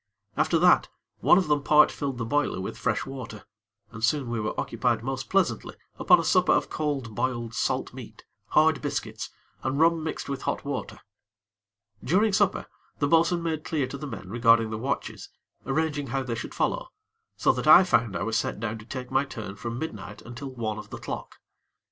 After that, one of them part filled the boiler with fresh water, and soon we were occupied most pleasantly upon a supper of cold, boiled salt meat, hard biscuits, and rum mixed with hot water. During supper, the bo'sun made clear to the men regarding the watches, arranging how they should follow, so that I found I was set down to take my turn from midnight until one of the clock.